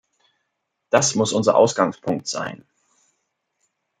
Das muss unser Ausgangspunkt sein.